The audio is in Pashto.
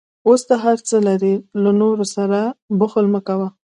اوس ته هر څه لرې، له نورو سره بخل مه کوه.